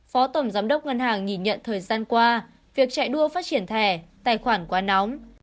phó tổng giám đốc ngân hàng nhìn nhận thời gian qua việc chạy đua phát triển thẻ tài khoản quá nóng